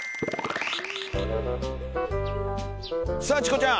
さあチコちゃん！